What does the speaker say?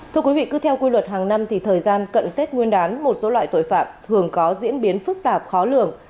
thưa quý vị cứ theo quy luật hàng năm thì thời gian cận tết nguyên đán một số loại tội phạm thường có diễn biến phức tạp khó lường